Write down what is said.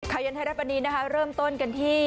ข่ายใยนถ้าแร็บวันนี้เริ่มต้นกันที่